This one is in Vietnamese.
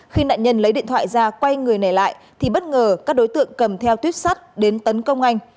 khi nạn nhân lấy điện thoại ra quay người này lại thì bất ngờ các đối tượng cầm theo tuyết sắt đến tấn công anh